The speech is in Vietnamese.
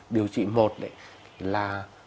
điều trị một là